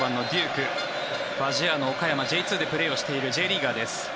ファジアーノ岡山Ｊ２でプレーしているＪリーガーです。